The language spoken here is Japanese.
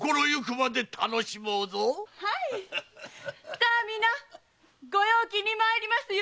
さあ皆ご陽気にまいりますよ！